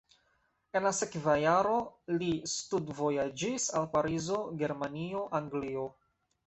En la sekva jaro li studvojaĝis al Parizo, Germanio, Anglio.